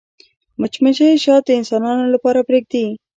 مچمچۍ شات د انسانانو لپاره پرېږدي